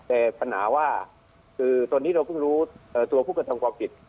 แต่ปัญหาว่าคือตอนนี้เราเพิ่งรู้ตัวผู้กระทำความผิด